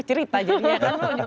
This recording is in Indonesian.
cerita jadinya kan